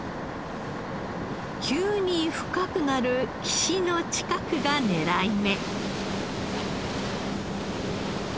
急に深くなる岸の近くが狙い目。